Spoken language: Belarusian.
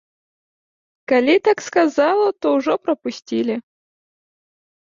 Калі так сказала, то ўжо прапусцілі.